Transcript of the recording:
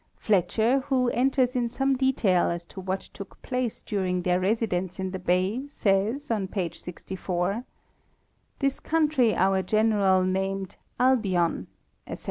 Fletcher, who enters in some detail as to what took place dur ing their residence in the bay, says, on page 64: " This country our general named Albion," ete.